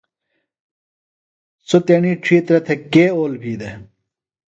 سوۡتیݨی ڇِھیترہ تھےۡ کے اول بھی دےۡ؟